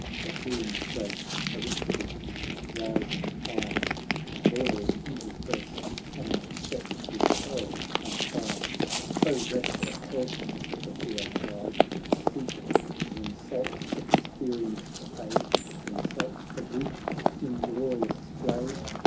' To whom great Aristides : rising ire '.Boiled in his breast, and set his soul on fire :' O wretch accurst,' the hero cried, 'to seek T' insult experienced age, t' insult a Greek ! Inglorious slave!